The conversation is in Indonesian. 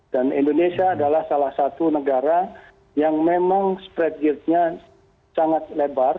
dan indonesia adalah salah satu negara yang memang spread yield nya sangat lebar